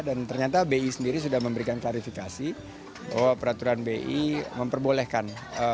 dan ternyata bi sendiri sudah memberikan klarifikasi bahwa peraturan bi memperbolehkan